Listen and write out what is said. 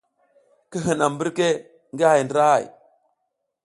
Ki hinam mbirke ngi hay ndra hay.